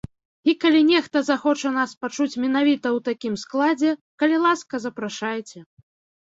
І калі нехта захоча нас пачуць менавіта ў такім складзе, калі ласка, запрашайце.